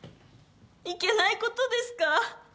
いけないことですか？